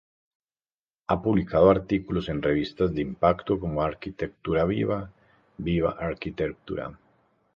Ha publicado artículos en revistas de impacto como Arquitectura Viva y ViA-Arquitectura.